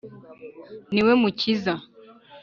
ni we Mukiza